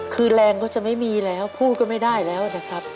คือแรงก็จะไม่มีแล้วพูดก็ไม่ได้แล้วนะครับ